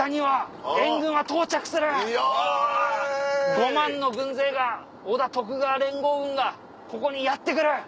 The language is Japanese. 「５万の軍勢が織田・徳川連合軍がここにやって来る！